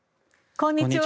こんにちは。